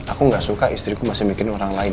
aku gak suka istriku masih mikirin orang lain